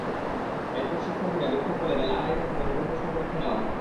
এরপর শিক্ষার্থীরা বিক্ষোভ করলে বেলা আড়াইটা থেকে নতুন প্রশ্নে পরীক্ষা নেওয়া হয়।